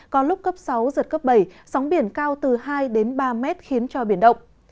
có lúc cấp sáu giật cấp bảy sóng biển cao từ hai ba mét khiến cho biển động